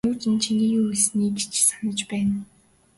Тэмүжин чиний юу хэлснийг ч санаж байна.